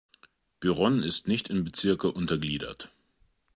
Byron ist nicht in Bezirke untergliedert.